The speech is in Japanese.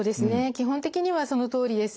基本的にはそのとおりです。